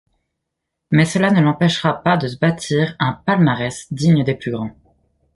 Mais cela ne l'empêchera pas de se bâtir un palmarès digne des plus grands.